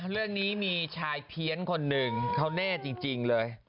เรื่องนี้มีชายเพี้ยนคนหนึ่งเขาแน่จริงเลย